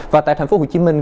và tại thành phố hồ chí minh